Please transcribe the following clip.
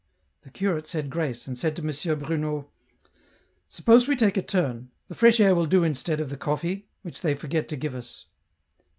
The curate said grace, and said to M. Bruno, " Suppose we take a turn ; the fresh air will do instead of the coffee, which they forget to give us."